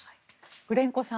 グレンコさん